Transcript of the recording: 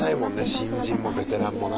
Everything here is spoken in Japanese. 新人もベテランもな。